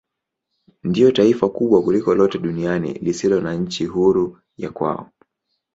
Ndilo taifa kubwa kuliko lote duniani lisilo na nchi huru ya kwao.